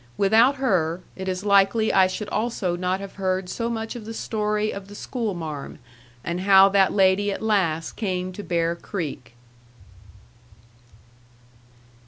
Without her, it is likely I should also not have heard so much of the story of the schoolmarm, and how that lady at last came to Bear Creek.